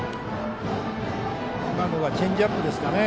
今のがチェンジアップですかね。